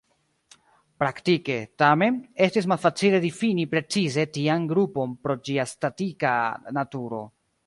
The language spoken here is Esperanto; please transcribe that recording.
Praktike, tamen, estis malfacile difini precize tian grupon pro ĝia statika naturo.